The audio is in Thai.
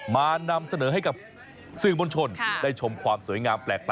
นำเสนอให้กับสื่อมวลชนได้ชมความสวยงามแปลก